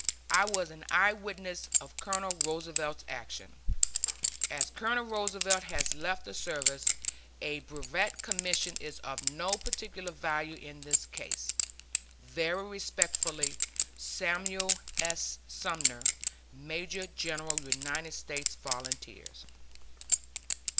I was an eye witness of Colonel Roosevelt's action. As Colonel Roosevelt has left the service, a Brevet Commission is of no particular value in his case. Very respectfully, SAMUEL S. SUMNER, Major General United States Volunteers.